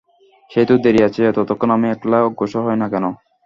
সে তো দেরি আছে, ততক্ষণ আমি একলা অগ্রসর হই-না কেন?